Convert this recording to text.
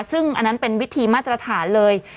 ซึ่งอันนั้นเป็นวิธีมาตรฐานเลย